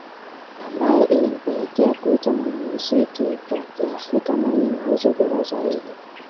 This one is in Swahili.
Ambayo ilimpelekea kuitwa Mwanamziki wa Kiafrika mwenye mauzo bora zaidi